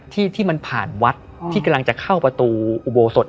ที่ที่มันผ่านวัดที่กำลังจะเข้าประตูอุโบสถ